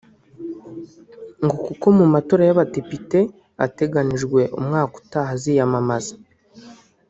ngo kuko mu matora y’Abadepite ateganijwe umwaka utaha aziyamamaza